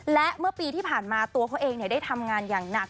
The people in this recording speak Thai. และเมื่อปีที่ผ่านมาตัวเขาเองได้ทำงานอย่างหนัก